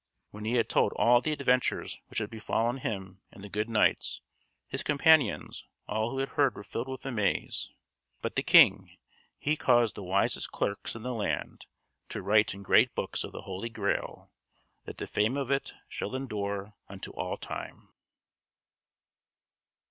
When he had told all the adventures which had befallen him and the good knights, his companions, all who heard were filled with amaze. But the King he caused the wisest clerks in the land to write in great books of the Holy Grail, that the fame of it should endure unto all time.